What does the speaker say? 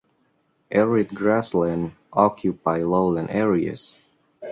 Arid grasslands occupy lowland areas.